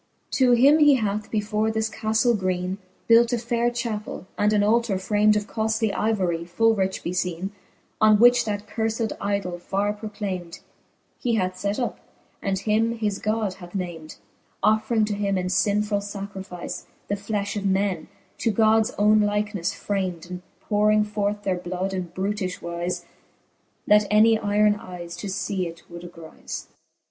To him he hath, before this caftle greene, Built a faire chappell, and an altar framed Of coftly ivory, full rich befeene, On which that curfed idole farre proclamed He hath (et up, and him his God hath named, Offring to him in linfuU lacrifice The flefh of men, to Gods owne likelinefle framed, And po wring forth their bloud in brutifhe wize. That any yron eyes to fee it would agrize.